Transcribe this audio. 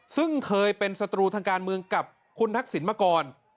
ซึ่งเคยเป็นศัตรูทางการเมืองกับคุณทักษิณมาก่อน